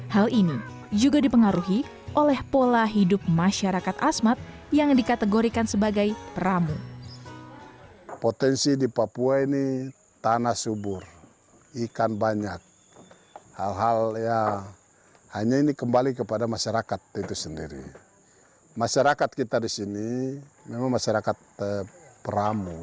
hal ini juga dipengaruhi oleh pola hidup masyarakat asmat yang dikategorikan sebagai peramu